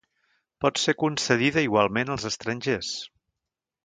Pot ser concedida igualment als estrangers.